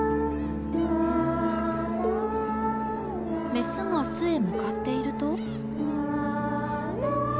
メスが巣へ向かっていると。